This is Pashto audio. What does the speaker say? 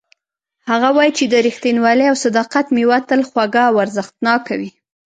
هغه وایي چې د ریښتینولۍ او صداقت میوه تل خوږه او ارزښتناکه وي